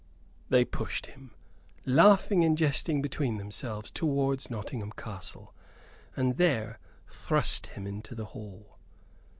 They pushed him, laughing and jesting between themselves, towards Nottingham Castle, and there thrust him into the hall.